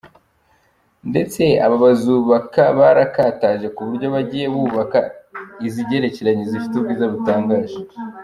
Ndetse aba bazubaka barakataje kuburyo bagiye bubaka izigerekeranye zifite ubwiza butangaje.